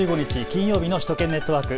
金曜日の首都圏ネットワーク。